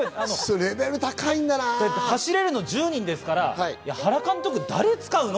レベル高いん走れるのは１０人ですから、原監督は誰使うの？